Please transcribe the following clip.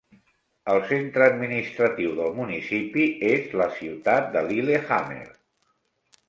El centre administratiu del municipi és la ciutat de Llilehammer.